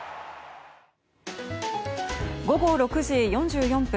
午後６時４４分。